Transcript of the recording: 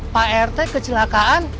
pak rt kecelakaan